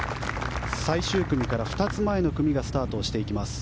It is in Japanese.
最終組から２つ前の組がスタートをしていきます。